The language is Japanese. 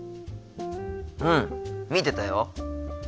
うん見てたよ。